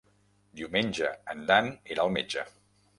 Diumenge en Dan irà al metge.